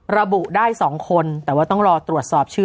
ระบุได้๒คนแต่ว่าต้องรอตรวจสอบชื่อ